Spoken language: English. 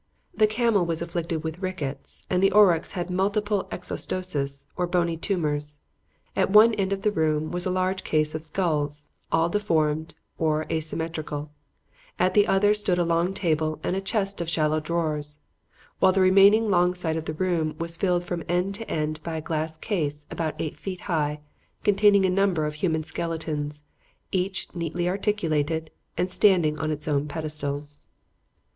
The camel was affected with rickets and the aurochs had multiple exostoses or bony tumors. At one end of the room was a large case of skulls, all deformed or asymmetrical; at the other stood a long table and a chest of shallow drawers; while the remaining long side of the room was filled from end to end by a glass case about eight feet high containing a number of human skeletons, each neatly articulated and standing on its own pedestal.